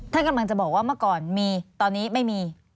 ท่านกำลังจะบอกว่าเมื่อก่อนมีตอนนี้ไม่มี